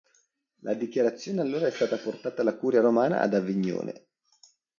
La dichiarazione allora è stata portata alla curia romana ad Avignone.